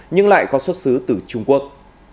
nhưng lại có xuất xứ từ trung quốc